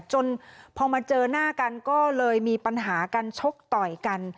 จนพอมาเจอหน้ากันก็เลยมีปัญหากันชกต่อยกัน